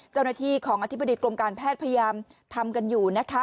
เจ้าหน้าที่ของอธิบดีกรมการแพทย์พยายามทำกันอยู่นะคะ